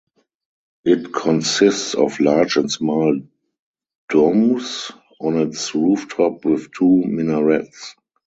It consists of large and small domes on its rooftop with two minarets.